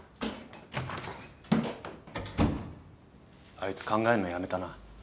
あいつ考えんのやめたな。